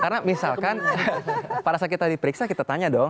karena misalkan para sakit tadi diperiksa kita tanya dong